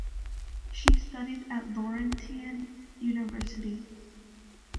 She studied at Laurentian University.